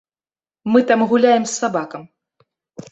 Мы там гуляем з сабакам.